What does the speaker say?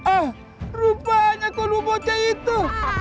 ah rupanya kau lubuk bocah itu